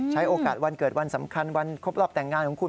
ใช้โอกาสวันเกิดวันสำคัญวันครบรอบแต่งงานของคุณ